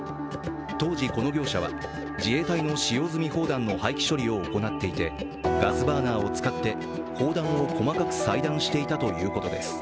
当時この業者は、自衛隊の使用済み砲弾の廃棄処理を行っていて、ガスバーナーを使って砲弾を細かく裁断していたということです。